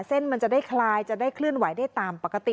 เส้นมันจะได้คลายจะได้เคลื่อนไหวได้ตามปกติ